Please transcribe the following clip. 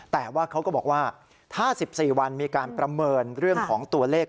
แต่ว่าเขาก็บอกว่าถ้า๑๔วันมีการประเมินเรื่องของตัวเลข